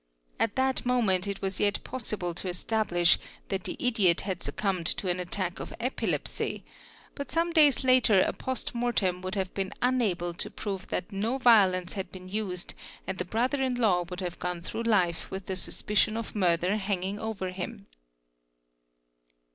At that moment it was y possible to establish that the idiot had succumbed to an attack of epilep 8 but some days later a post mortem would have been unable to prove thi ; SEARCH FOR HIDDEN OBJECTS 141 no violence had been used and the brother in law would have gone through life with the suspicion of murder hanging over him.